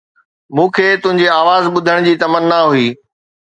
مون کي تنهنجي آواز ٻڌڻ جي تمنا هئي